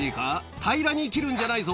平らに切るんじゃないぞ。